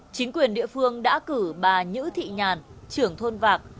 chính quyền địa phương đã cử bà nhữ thị nhàn trưởng thôn vạc